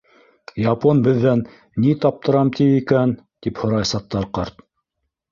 — Япон беҙҙән ни таптырам ти икән? — тип һорай Саттар ҡарт.